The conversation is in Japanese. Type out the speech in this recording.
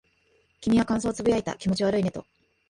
君は感想を呟いた。気持ち悪いねと。